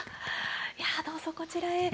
どうぞこちらへ。